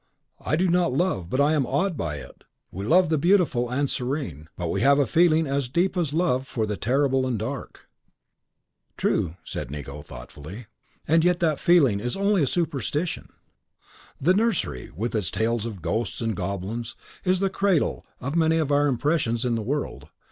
"I do not love, but I am awed by it. We love the beautiful and serene, but we have a feeling as deep as love for the terrible and dark." "True," said Nicot, thoughtfully. "And yet that feeling is only a superstition. The nursery, with its tales of ghosts and goblins, is the cradle of many of our impressions in the world.